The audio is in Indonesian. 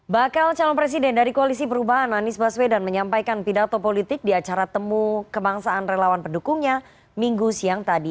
bakal calon presiden dari koalisi perubahan anies baswedan menyampaikan pidato politik di acara temu kebangsaan relawan pendukungnya minggu siang tadi